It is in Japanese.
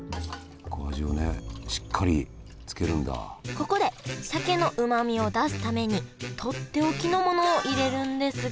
ここで鮭のうまみを出すためにとっておきのものを入れるんですが。